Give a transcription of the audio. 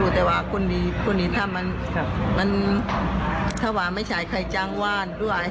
ตามตัวมาให้ได้คุณคิดเลยค่ะ